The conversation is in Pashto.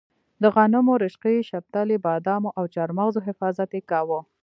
د غنمو، رشقې، شپتلې، بادامو او چارمغزو حفاظت یې کاوه.